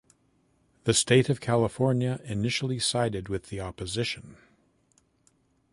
The state of California initially sided with the opposition.